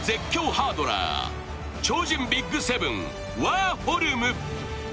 ハードラー超人ＢＩＧ７、ワーホルム。